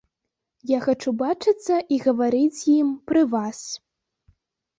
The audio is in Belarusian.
Я хачу бачыцца і гаварыць з ім пры вас.